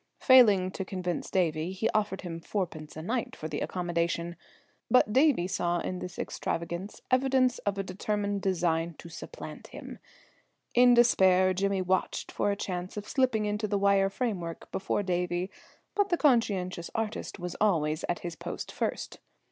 Failing to convince Davie, he offered him fourpence a night for the accommodation, but Davie saw in this extravagance evidence of a determined design to supplant him. In despair Jimmy watched for a chance of slipping into the wire framework before Davie, but the conscientious artist was always at his post first.